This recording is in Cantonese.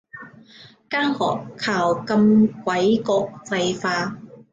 間學校咁鬼國際化